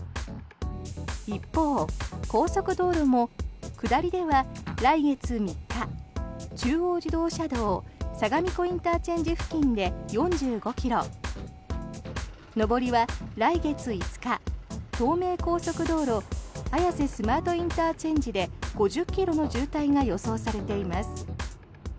一方、高速道路も下りでは来月３日中央自動車道相模湖ＩＣ付近で４５ｋｍ上りは来月５日東名高速道路綾瀬スマートＩＣで５０ｋｍの渋滞が予想されています。